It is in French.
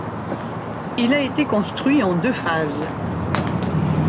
Il a été construit en deux phases.